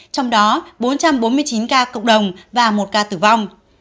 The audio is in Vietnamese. trong đó bốn trăm bốn mươi chín ca cộng đồng và một ca tử vong